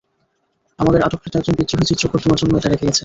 আমাদের আটককৃত একজন বিদ্রোহী চিত্রকর তোমার জন্য এটা রেখে গেছে।